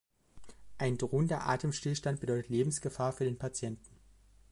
Ein drohender Atemstillstand bedeutet Lebensgefahr für den Patienten.